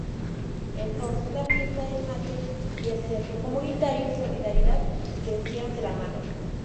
Entonces, la Fiesta del mate y el Centro Comunitario Solidaridad, crecieron de la mano.